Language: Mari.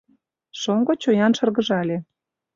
— Шоҥго чоян шыргыжале.